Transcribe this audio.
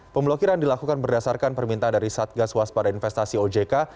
pemblokiran dilakukan berdasarkan permintaan dari satgas waspada investasi ojk